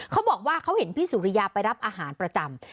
เขาบอกว่าเขาเห็นพี่สุริยาไปรับอาหารประจำ